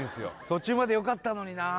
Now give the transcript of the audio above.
途中までよかったのにな